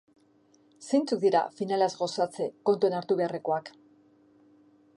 Zeintzuk dira finalaz gozatze kontuan hartu beharrekoak?